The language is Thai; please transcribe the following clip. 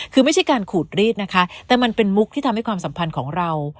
คือไม่ใช่การขูดรีดนะคะแต่มันเป็นมุกที่ทำให้ความสัมพันธ์ของเรา